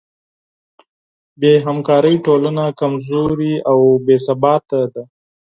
بېهمکارۍ ټولنه کمزورې او بېثباته ده.